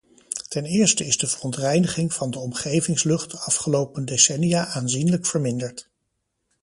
Ten eerste is de verontreiniging van de omgevingslucht de afgelopen decennia aanzienlijk verminderd.